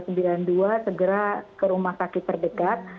segera ke rumah sakit terdekat